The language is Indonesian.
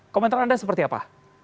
komentar anda seperti apa